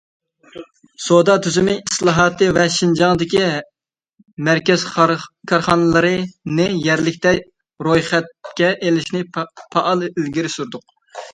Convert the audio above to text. سودا تۈزۈمى ئىسلاھاتى ۋە شىنجاڭدىكى مەركەز كارخانىلىرىنى يەرلىكتە رويخەتكە ئېلىشنى پائال ئىلگىرى سۈردۇق.